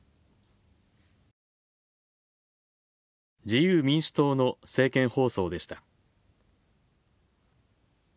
自由民主党の政見放送でした。